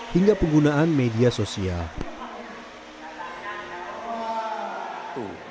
hingga penggunaan media sosial